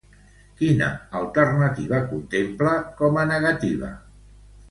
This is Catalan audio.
Quina alternativa contempla com a negativa?